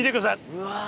うわ。